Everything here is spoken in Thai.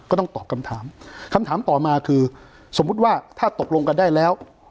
ก็ต้องตอบคำถามคำถามต่อมาคือสมมุติว่าถ้าตกลงกันได้แล้ว